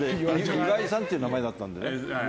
岩井さんっていう名前だったんでね。